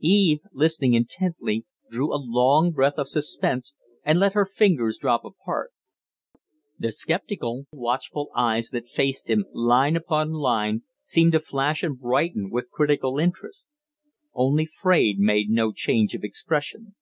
Eve, listening intently, drew a long breath of suspense and let her fingers drop apart; the sceptical, watchful eyes that faced him, line upon line, seemed to flash and brighten with critical interest; only Fraide made no change of expression.